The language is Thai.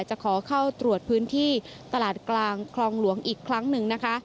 จะขอเข้าตรวจพื้นที่ตลาดกลางคลองหลวงอีกครั้งหนึ่งนะคะ